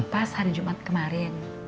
pas hari jumat kemarin